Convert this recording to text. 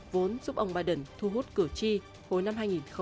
vốn giúp ông biden thu hút cử tri hồi năm hai nghìn hai mươi